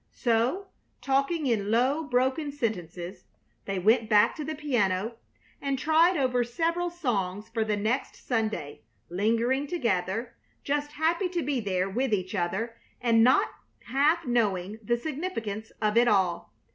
So, talking in low, broken sentences, they went back to the piano and tried over several songs for the next Sunday, lingering together, just happy to be there with each other, and not half knowing the significance of it all.